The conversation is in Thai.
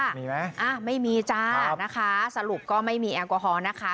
มีไหมอ่ะไม่มีจ้านะคะสรุปก็ไม่มีแอลกอฮอล์นะคะ